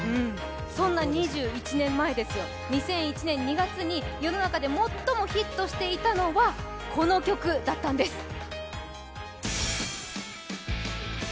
そんな２１年前ですよ、２００１年２月に世の中で最もヒットしていたのはこの曲だったんです。